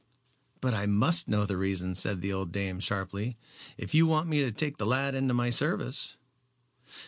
"But I must know the reason," said the old dame, sharply, "if you want me to take the lad into my service."